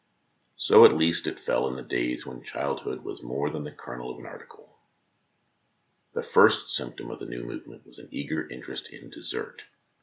So at least it fell in the days when child hood was more than the kernel of an article. The first symptom of the new movement was an eager interest in dessert.